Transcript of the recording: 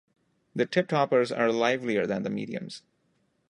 The tip-toppers are livelier than the mediums.